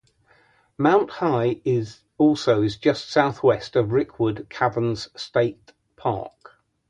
Mount High also is just southwest of Rickwood Caverns State Park.